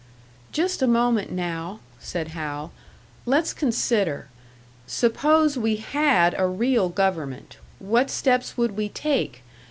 "Just a moment now," said Hal. "Let's consider. Suppose we had a real government what steps would we take?